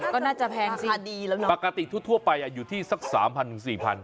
ก็น่าจะแพงสิปกติทั่วไปอยู่ที่สัก๓๔พันธุ์